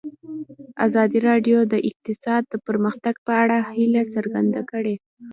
ازادي راډیو د اقتصاد د پرمختګ په اړه هیله څرګنده کړې.